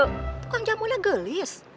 tukang jamunya gelis